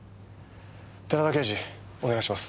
寺田刑事お願いします。